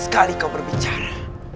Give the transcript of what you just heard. sekali kau berbicara